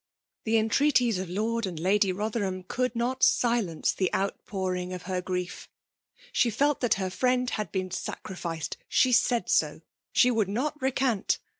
The entreaties of Loi^ and Lady Botherfaam could not silence the outpouring of her grief. She felt that her friend 142 FKICALE DOHINAnOK. had been sacrificed: she said so; she would not recant.